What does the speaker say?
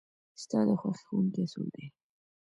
ستا د خوښې ښوونکي څوک دی؟